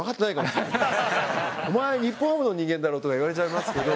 お前日本ハムの人間だろとか言われちゃいますけど。